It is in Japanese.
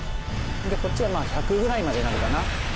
こっちはまあ１００くらいまでになるかな。